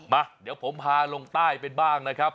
มาเดี๋ยวผมพาลงใต้ไปบ้างนะครับ